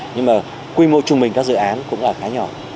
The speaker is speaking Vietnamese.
nhưng mà quy mô trung bình các dự án cũng là khá nhỏ